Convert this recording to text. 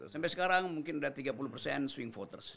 sampai sekarang mungkin ada tiga puluh swing voters